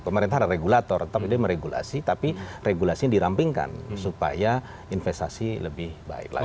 pemerintah ada regulator tetap ini meregulasi tapi regulasinya dirampingkan supaya investasi lebih baik lagi